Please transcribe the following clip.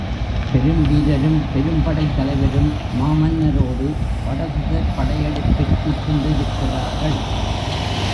பெரும்வீரரும் பெரும்படைத் தலைவரும் மாமன்னரோடு வடதிசைப் படையெடுப்பிற்குச் சென்றிருக்கிறார்கள்.